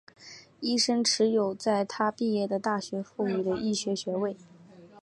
医生持有在他毕业的大学赋予的医学学位。